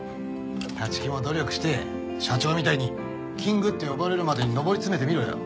立木も努力して社長みたいにキングって呼ばれるまでに上り詰めてみろよ。